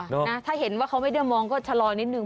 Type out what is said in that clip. นะถ้าเห็นว่าเขาไม่ได้มองก็ชะลอนิดนึง